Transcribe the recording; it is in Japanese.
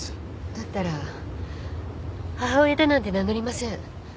だったら母親だなんて名乗りません。